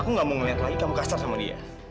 aku gak mau ngeliat lagi kamu kasar sama dia